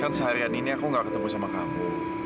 kan seharian ini aku gak ketemu sama kamu